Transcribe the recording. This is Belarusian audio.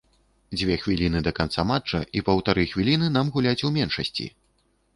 Дзве хвіліны да канца матча і паўтары хвіліны нам гуляць у меншасці.